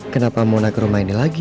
kenapa mau naik ke rumah ini lagi